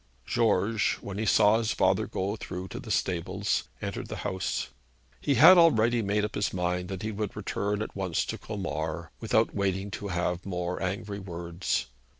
George, when he saw his father go through to the stables, entered the house. He had already made up his mind that he would return at once to Colmar, without waiting to have more angry words.